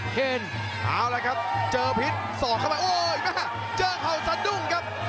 เคนเอาละครับเจอพิษสอกเข้าไปโอ้ยแม่เจอเขาสะดุ้งครับ